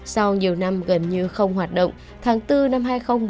sau nhiều năm gần như không hoạt động tháng bốn năm hai nghìn một mươi